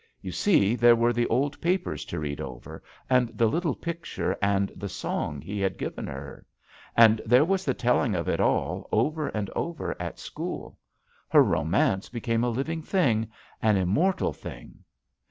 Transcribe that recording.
You see there were the old papers to read over, and the little picture, and the song he had given her. And there was the telling of it all, over and over, at school. Her romance became a living thing, an immortal thing."